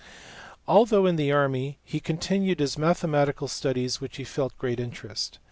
Although in the army, he continued his mathematical studies in which he felt great interest.